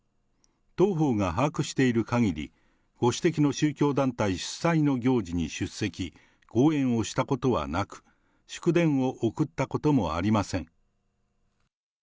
当方が把握しているかぎり、ご指摘の宗教団体主催の行事に出席、講演をしたことはなく、祝電を送ったこともありません。